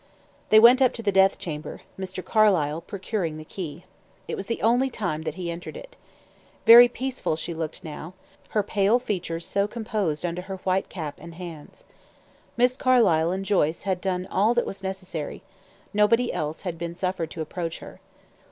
They went up to the death chamber, Mr. Carlyle procuring the key. It was the only time that he entered it. Very peaceful she looked now, her pale features so composed under her white cap and hands. Miss Carlyle and Joyce had done all that was necessary; nobody else had been suffered to approach her.